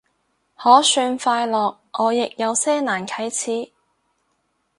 可算快樂，我亦有些難啟齒